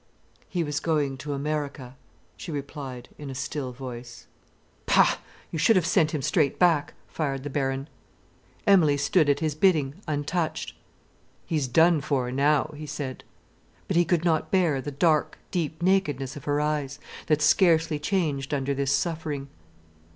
"He was going to America," she replied, in a still voice. "Pah! You should have sent him straight back," fired the Baron. Emilie stood at his bidding, untouched. "He's done for now," he said. But he could not bear the dark, deep nakedness of her eyes, that scarcely changed under this suffering.